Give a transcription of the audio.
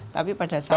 tapi pada saat